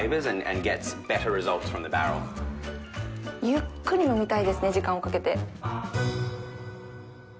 ゆっくり飲みたいですね、時間をかけて。